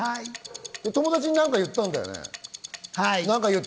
友達に何か言ったんだよね。